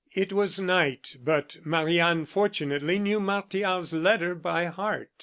It was night, but Marie Anne, fortunately, knew Martial's letter by heart.